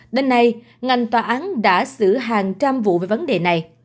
đến nay ngành tòa án đã xử hàng trăm vụ về vấn đề này